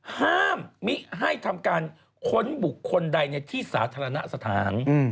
ห้ามมิให้ทำการค้นบุคคลใดในที่สาธารณสถาน